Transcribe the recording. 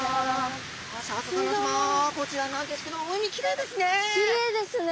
こちらなんですけど海きれいですね。